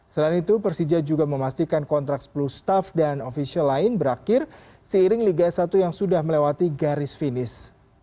selain itu persija juga memastikan kontrak sepuluh staff dan ofisial lain berakhir seiring liga satu yang sudah melewati garis finish